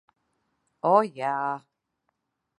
O, jā!